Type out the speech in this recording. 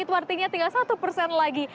itu artinya tinggal satu persen lagi